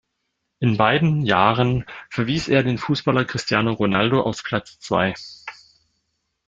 In beiden Jahren verwies er den Fußballer Cristiano Ronaldo auf Platz zwei.